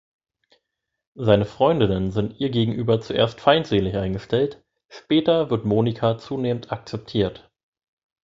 Seine Freundinnen sind ihr gegenüber zuerst feindselig eingestellt, später wird Monica zunehmend akzeptiert.